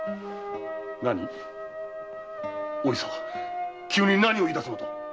何⁉お久急に何を言い出すのだ！